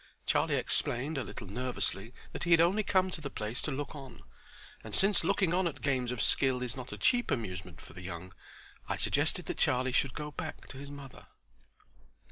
Charley explained, a little nervously, that he had only come to the place to look on, and since looking on at games of skill is not a cheap amusement for the young, I suggested that Charlie should go back to his mother.